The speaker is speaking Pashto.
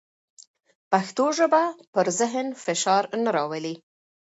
پښتو ژبه پر ذهن فشار نه راولي.